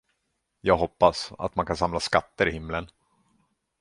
Jag hoppas, att man kan samla skatter i himmeln.